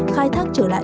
khai thác trở lại